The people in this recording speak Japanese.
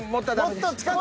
もっと近く。